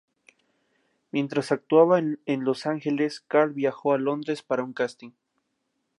Mientras actuaba en Los Angeles, Carl viajó a Londres para un casting.